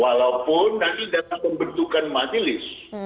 walaupun nanti dalam pembentukan majelis